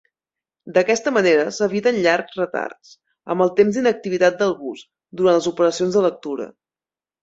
D'aquesta manera s'eviten llargs retards, amb el temps d'inactivitat del bus, durant les operacions de lectura.